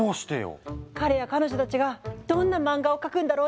彼や彼女たちがどんな漫画を描くんだろうってワクワクしてこない？